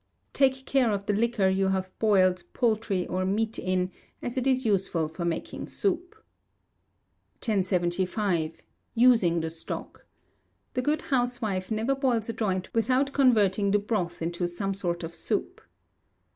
Take care of the liquor you have boiled poultry or meat in, as it is useful for making soup. 1075. Using the Stock. The good housewife never boils a joint without converting the broth into some sort of soup.